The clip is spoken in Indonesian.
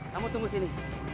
kamu tunggu sini